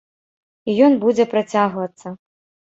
І ён будзе працягвацца.